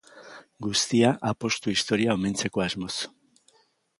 Guztia apostu historia omentzeko asmoz.